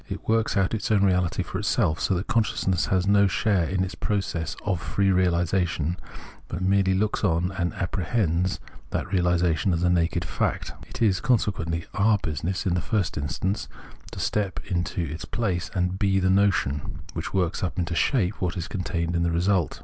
It works out its own reality for itself, so that consciousness has no share in its process of free reahsation, but merely looks on and apprehends that reahsation as a naked fact. It is, consequently, our business in the first instance to step into its place and be the notion, which works up into shape what is contained in the result.